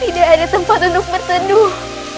tidak ada tempat untuk berteduh